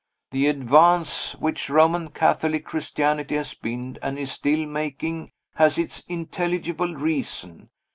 The advance which Roman Catholic Christianity has been, and is still, making has its intelligible reason.